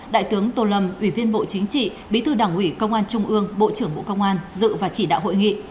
đại tướng tô lâm ủy viên bộ chính trị bí thư đảng ủy công an trung ương bộ trưởng bộ công an dự và chỉ đạo hội nghị